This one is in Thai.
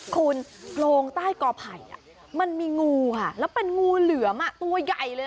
คุณโพรงใต้กอไผ่มันมีงูค่ะแล้วเป็นงูเหลือมตัวใหญ่เลย